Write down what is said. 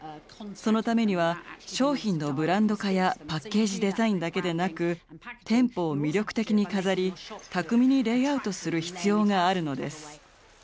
そのためには商品のブランド化やパッケージデザインだけでなく店舗を魅力的に飾り巧みにレイアウトする必要があるのです。